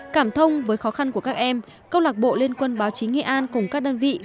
cảm thông với khó khăn của các em câu lạc bộ liên quân báo chí nghệ an cùng các đơn vị